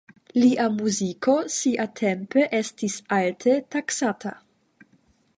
Lia muziko siatempe estis alte taksata.